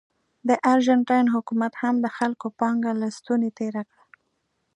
د ارجنټاین حکومت هم د خلکو پانګه له ستونې تېره کړه.